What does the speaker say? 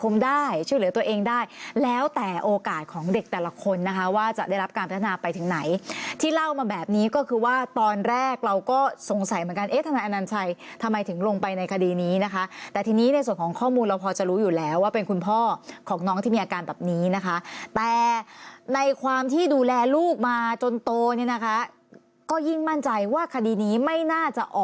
ได้ช่วยเหลือตัวเองได้แล้วแต่โอกาสของเด็กแต่ละคนนะคะว่าจะได้รับการพัฒนาไปถึงไหนที่เล่ามาแบบนี้ก็คือว่าตอนแรกเราก็สงสัยเหมือนกันเอ๊ะทนายอนัญชัยทำไมถึงลงไปในคดีนี้นะคะแต่ทีนี้ในส่วนของข้อมูลเราพอจะรู้อยู่แล้วว่าเป็นคุณพ่อของน้องที่มีอาการแบบนี้นะคะแต่ในความที่ดูแลลูกมาจนโตเนี่ยนะคะก็ยิ่งมั่นใจว่าคดีนี้ไม่น่าจะอ